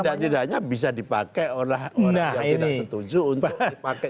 tidak tidaknya bisa dipakai oleh orang yang tidak setuju untuk dipakai